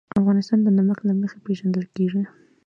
افغانستان د نمک له مخې پېژندل کېږي.